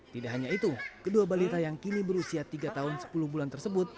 tidak hanya itu kedua balita yang kini berusia tiga tahun sepuluh bulan tersebut